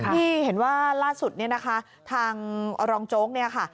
นี่เห็นว่าล่าสุดทางลองโจ๊ก